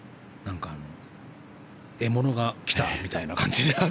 獲物が来たみたいな感じで。